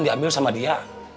diambil sama dia